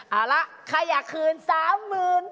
เอาละใครอยากคืนสามหมื่น